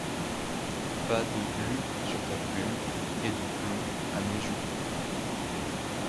Pas de glu sur ta plume et de plomb à mes jupes.